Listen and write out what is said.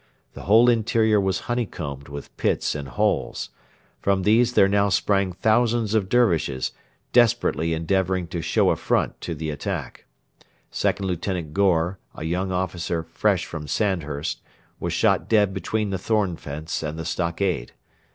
The whole interior was honeycombed with pits and holes. From these there now sprang thousands of Dervishes, desperately endeavouring to show a front to the attack. Second Lieutenant Gore, a young officer fresh from Sandburst, was shot dead between the thorn fence and the stockade.